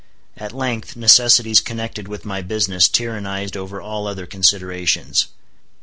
At length, necessities connected with my business tyrannized over all other considerations.